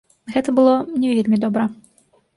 Гэта было не вельмі добра.